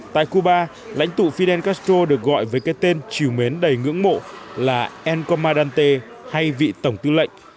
tại cuba lãnh tụ fidel castro được gọi với cái tên triều mến đầy ngưỡng mộ là ncomadante hay vị tổng tư lệnh